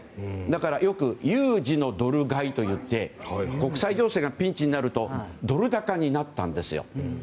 だからよく有事のドル買いといって国際情勢がピンチになるとドル高になったんです。